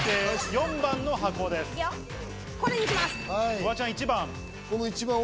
フワちゃん１番。